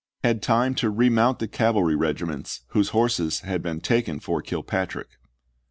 — had time to remount the cavalry regiments whose horses had been taken for Kilpatrick.